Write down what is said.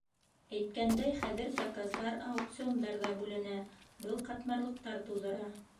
Әйткәндәй, хәҙер заказдар аукциондарҙа бүленә, был ҡатмарлыҡтар тыуҙыра.